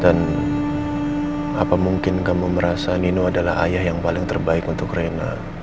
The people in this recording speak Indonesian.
dan apa mungkin kamu merasa nino adalah ayah yang paling terbaik untuk rena